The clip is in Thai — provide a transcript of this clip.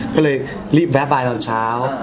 ก็เลยรีบแวะบายตอนเช้า